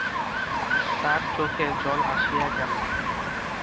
তার চোখে জল আসিয়া গেল।